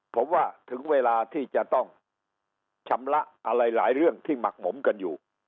ผมว่าถึงเวลาที่จะต้องชำระอะไรหลายเรื่องที่หมักหมมกันอยู่